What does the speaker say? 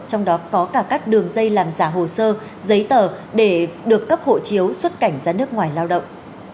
trong đó có cả các đường dây làm giả hồ sơ giấy tờ để được cấp hộ chiếu xuất cảnh ra nước ngoài lao động